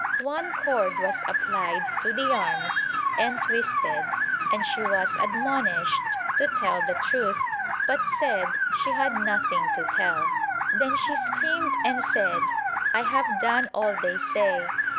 One cord was applied to the arms and twisted and she was admonished to tell the truth but said she had nothing to tell. Then she screamed and said "I have done all they say."